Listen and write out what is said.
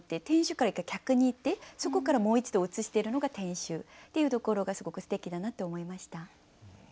店主から客に行ってそこからもう一度移してるのが店主っていうところがすごくすてきだなって思いました。